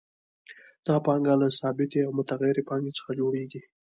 دا پانګه له ثابتې او متغیرې پانګې څخه جوړېږي